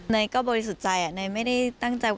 นายก็บริสุทธิ์ใจเนยไม่ได้ตั้งใจว่า